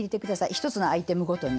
１つのアイテムごとに。